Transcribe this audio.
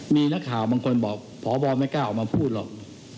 มีนักข่าวบางคนบอกพบไม่กล้าออกมาพูดหรอก